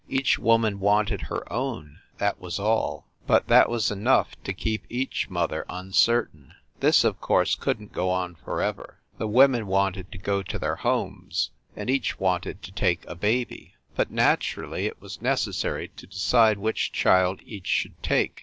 Each woman wanted her own, that was all but that was enough to keep each mother uncertain. This, of course, couldn t go on for ever. The women wanted to go to their homes, and each want ed to take a baby. But, naturally, it was necessary to decide which child each should take.